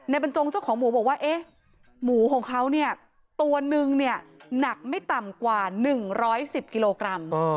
ในบรรจงเจ้าของหมูบอกว่าหมูของเขาตัวนึงหนักไม่ต่ำกว่า๑๑๐กิโลกรัม